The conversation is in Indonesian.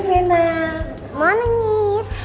selamat pagi miss